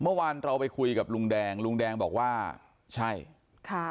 เมื่อวานเราไปคุยกับลุงแดงลุงแดงบอกว่าใช่ค่ะ